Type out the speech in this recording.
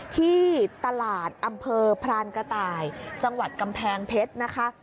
ที่ตลาดอำเภอพรานกระต่ายจังหวัดกำแพงเพชรนะคะ